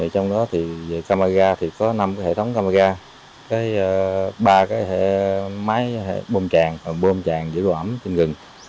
trong đó camera có năm hệ thống camera ba máy bôm tràn giữa đồ ẩm trên rừng